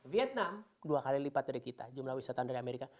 vietnam dua kali lipat dari kita jumlah wisatawan dari amerika